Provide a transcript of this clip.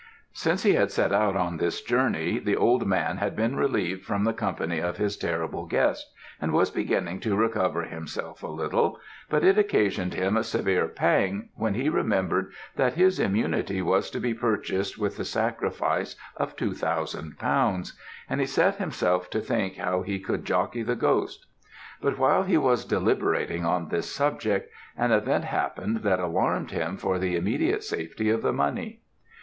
"Since he had set out on this journey, the old man had been relieved from the company of his terrible guest, and was beginning to recover himself a little, but it occasioned him a severe pang when he remembered that this immunity was to be purchased with the sacrifice of two thousand pounds, and he set himself to think how he could jockey the ghost. But while he was deliberating on this subject, an event happened that alarmed him for the immediate safety of the money.